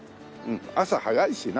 朝早いしな。